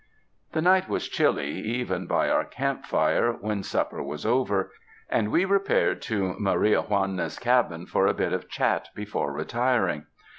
The night was chilly even by our camp fire, when supper was over, and we repaired to Maria Juana's cabin for a bit of chat before retiring.